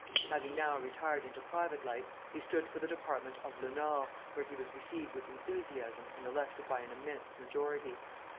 Having now retired into private life, he stood for the Department of Le Nord, where he was received with enthusiasm and elected by an immense majority.